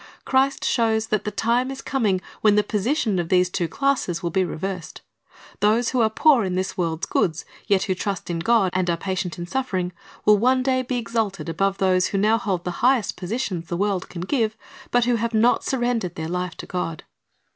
Christ shows that the time is coming when the position of the two classes will be reversed. Those who are poor in this world's goods, yet who trust in God and are patient in suffering, will one day be exalted above those who now hold the highest positions the world can give, but who have not surrendered their life to God.